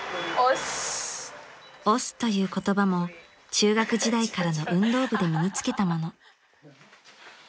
［「オッス」という言葉も中学時代からの運動部で身に付けたもの］